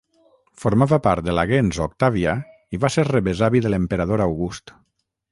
Formava part de la gens Octàvia i va ser rebesavi de l'emperador August.